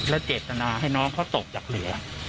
และเจตนาให้น้องเขาตกจากเหลือ